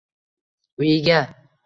uyiga